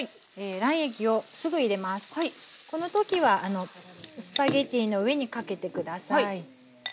この時はスパゲッティの上にかけて下さい。